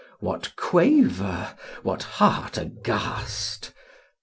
What quaver â what heart aghast